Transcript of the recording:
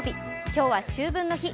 今日は秋分の日。